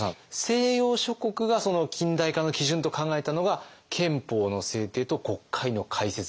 西洋諸国が近代化の基準と考えたのが憲法の制定と国会の開設だった。